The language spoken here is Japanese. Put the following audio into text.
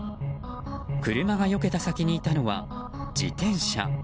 車がよけた先にいたのは自転車。